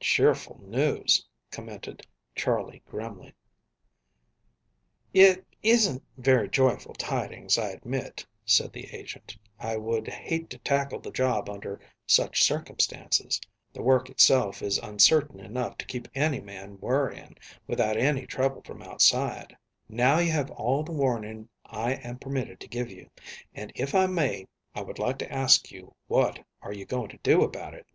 "Cheerful news," commented Charley grimly. "It isn't very joyful tidings, I admit," said the agent. "I would hate to tackle the job under such circumstances. The work itself is uncertain enough to keep any man worrying, without any trouble from outside. Now you have all the warning I am permitted to give you, and, if I may, I would like to ask you what are you going to do about it?"